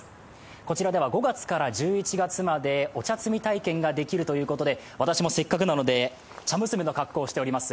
こちらでは５月から１１月までお茶摘み体験ができるということで、私もせっかくなので茶娘の格好をしております。